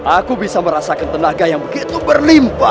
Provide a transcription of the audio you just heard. aku bisa merasakan tenaga yang begitu berlimpah